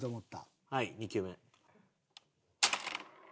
はい２球目。